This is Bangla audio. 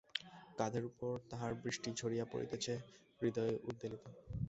কাঁধের উপর তাহার বৃষ্টি ঝরিয়া পড়িতেছে, হৃদয় উদ্বেলিত।